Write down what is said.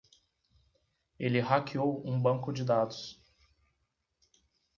Ele hackeou um banco de dados.